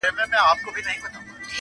دغو تورمخو له تیارو سره خپلوي کړې ده!